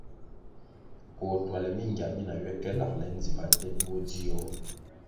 Koh tuale mingia mina ywe ka langle ndzima nte duo dzio.